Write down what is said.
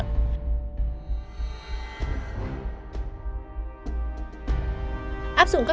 anhkeeper đấy vợ abs